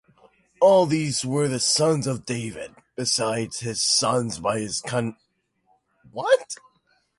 All these were the sons of David, besides his sons by his concubines.